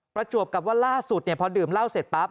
ประจวบกับว่าล่าสุดพอดื่มเหล้าเสร็จปั๊บ